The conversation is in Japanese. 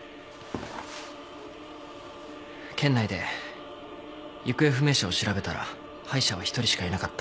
県内で行方不明者を調べたら歯医者は１人しかいなかった。